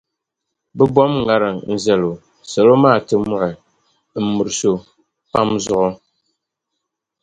bɛ bom’ ŋariŋ zal’ o, salo maa ti muɣi m-miris’ o pam zuɣu.